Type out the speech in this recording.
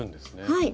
はい。